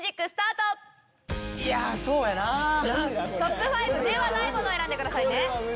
トップ５ではないものを選んでくださいね。